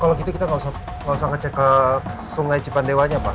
kalau gitu kita nggak usah ngecek ke sungai cipandewanya pak